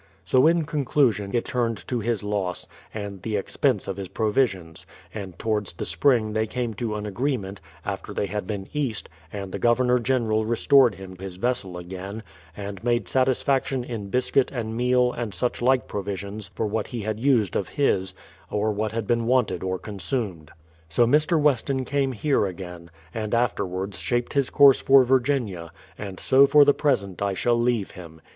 So in conclusion it turned to his loss, and the ex pense of his provisions ; and towards the spring they came to an agreement, after they had been east, and the Governor General restored him his vessel again, and made satisfac THE PLYMOUTH SETTLEMENT 131 tion in biscuit and meal and such like provisions for what he had used of his, or what had been wanted or consumed. So Mr. Weston came here again, and afterwards shaped his course for Virginia, and so for the present I shall leave him.